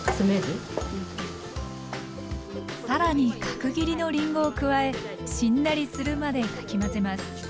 更に角切りのりんごを加えしんなりするまでかき混ぜます。